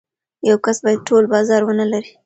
یو کس باید ټول بازار ونلري.